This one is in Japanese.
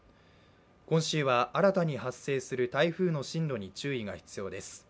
今週は新たに発生する台風の進路に注意が必要です。